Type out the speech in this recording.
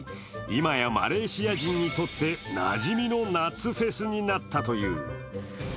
今やマレーシア人にとってなじみの夏フェスになったという。